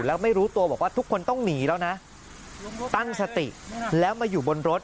แล้วไม่รู้ตัวบอกว่าทุกคนต้องหนีแล้วนะตั้งสติแล้วมาอยู่บนรถ